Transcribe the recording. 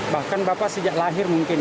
bahkan bapak sejak lahir mungkin